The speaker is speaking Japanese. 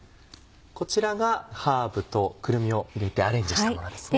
こちらがハーブとくるみを入れてアレンジしたものですね。